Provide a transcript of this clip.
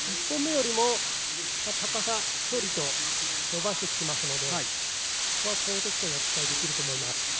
１本目よりも高さ、距離と伸ばしてきていますので高得点が期待できると思います。